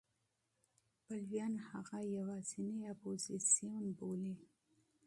پلویان هغه یوازینی اپوزېسیون بولي.